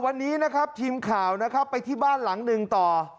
วันนี้นะครับทีมข่าวนะครับไปที่บ้านหลังหนึ่งต่อ